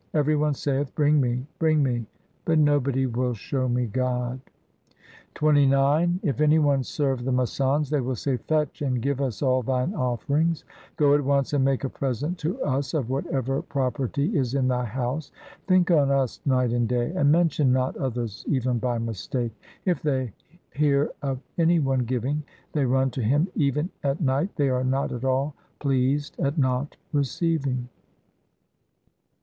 Every one saith, 'Bring me, bring me,' but nobody will show me God. XXIX If any one serve the masands, they will say, ' Fetch and give us all thine offerings. ' Go at once and make a present to us of whatever pro perty is in thy house. 'Think on us night and day, and mention not others even by mistake.' If they hear of any one giving, they run to him even at night, 1 they are not at all pleased at not receiving.